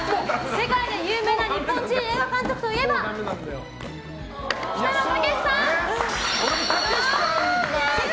世界で有名な日本人映画監督といえば黒澤明！